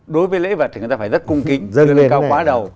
đối với lễ vật thì người ta phải rất cung kính cao quá đầu